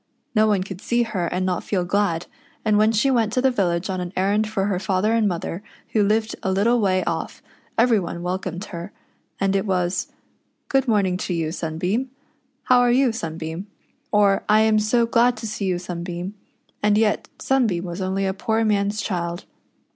No one could see her and not feel glad, and when she went to the village on an errand for her father and mother, who lived a little way off, ever}' one welcomed her ; and it was: "Good morning to you, Sunbeam." "How are \'ou, Sunbeam ?" or, " I am so glad to see you. Sunbeam." And yet Sunbeam was only a poor man's child.